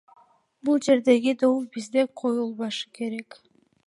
Бул жердеги доо бизге коюлбашы керек.